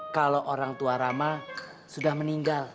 kalau orang tua rama sudah meninggal